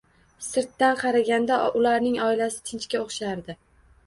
Sirtdan qaraganda ularning oilasi tinchga o`xshardi